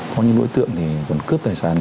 có những đối tượng thì còn cướp tài sản